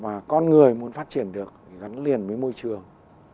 và con người muốn phát triển được gắn liền với môi trường